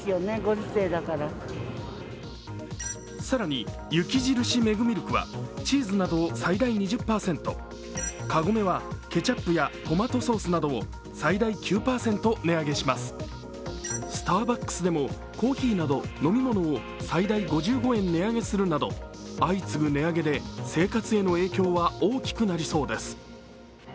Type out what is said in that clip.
更に、雪印メグミルクはチーズなどを最大２０％、カゴメはケチャップやトマトソースなどを最大９％値上げしますスターバックスでもコーヒーなど飲み物を最大５５円値上げするなど相次ぐ値上げで生活への影響は大きくなりそうです。